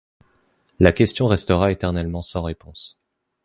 La question restera éternellement sans réponse.